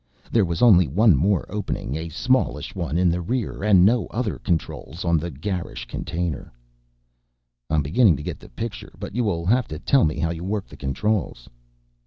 There was only one more opening, a smallish one in the rear, and no other controls on the garish container. "I'm beginning to get the picture, but you will have to tell me how you work the controls."